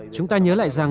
chúng ta nhớ lại rằng